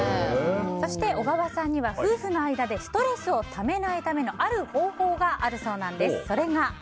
そして小川さんには夫婦の間でストレスをためないためのある方法があるそうなんです。